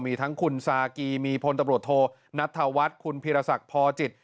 มีทั้งคุณซากีมีพลตำรวจโทนัทธวัฒน์คุณพีรศักดิ์พอจิต